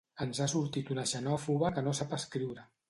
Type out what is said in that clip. Ens ha sortit una xenòfoba que no sap escriure.